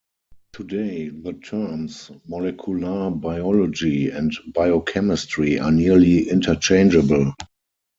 Today, the terms "molecular biology" and "biochemistry" are nearly interchangeable.